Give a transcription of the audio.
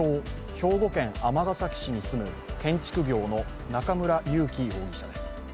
・兵庫県尼崎市に住む建築業の中村祐貴容疑者です。